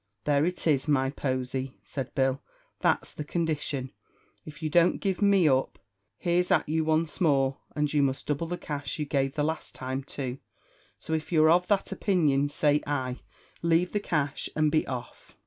"There it is, my posy," said Bill; "that's the condition. If you don't give me up, here's at you once more and you must double the cash you gave the last time, too. So, if you're of that opinion, say ay leave the cash and be off."